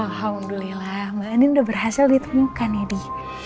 alhamdulillah bu andin udah berhasil ditemukan ya di